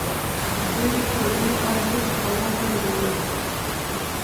دوی په دې اړه هيڅ معلومات نه درلودل.